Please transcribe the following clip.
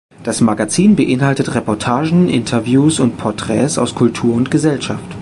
Das Magazin beinhaltet Reportagen, Interviews und Porträts aus Kultur und Gesellschaft.